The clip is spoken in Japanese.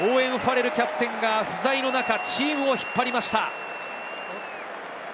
オーウェン・ファレルキャプテンが不在のなかチームを引っ張りました。